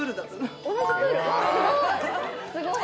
すごい。